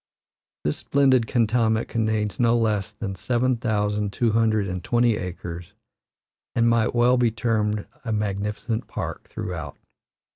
This splendid cantonment contains no less than seven thousand two hundred and twenty acres and might well be termed a magnificent park throughout.